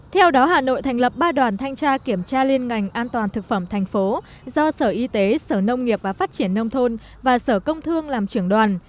theo đó hà nội thành lập ba đoàn thanh tra kiểm tra liên ngành an toàn thực phẩm thành phố do sở y tế sở nông nghiệp và phát triển nông thôn và sở công thương làm trưởng đoàn